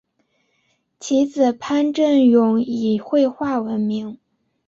其子潘振镛以绘画闻名。